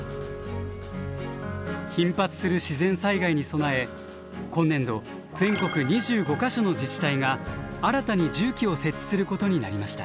頻発する自然災害に備え今年度全国２５か所の自治体が新たに重機を設置することになりました。